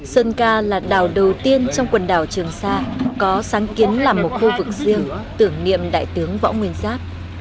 sơn ca là đảo đầu tiên trong quần đảo trường sa có sáng kiến là một khu vực riêng tưởng niệm đại tướng võ nguyên giáp